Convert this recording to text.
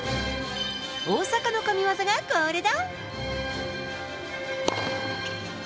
大坂の神技が、これだ。